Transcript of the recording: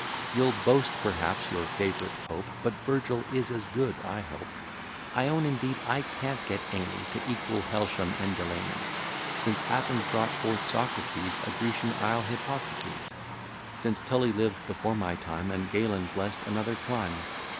You'll boast, perhaps, your favourite Pope; But Virgil is as good, I hope. I own indeed I can't get any To equal Helsham and Delany; Since Athens brought forth Socrates, A Grecian isle, Hippocrates; Since Tully lived before my time, And Galen bless'd another clime.